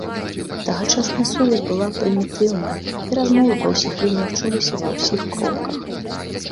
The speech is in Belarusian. Тагачасная сувязь была прымітыўная, і размовы па ўсіх лініях чуліся ва ўсіх кропках.